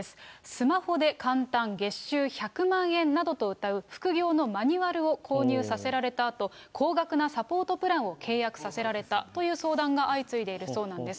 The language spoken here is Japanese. スマホで簡単、月収１００万円などとうたう副業のマニュアルを購入させられたあと、高額なサポートプランを契約させられたという相談が相次いでいるそうなんです。